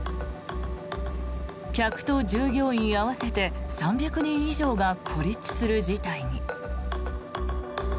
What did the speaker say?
客と従業員合わせて３００人以上が孤立する事態に。